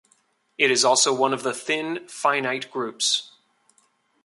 It is also one of the thin finite groups.